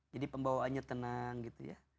jadi pembawaannya tenang gitu ya